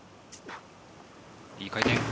いい回転。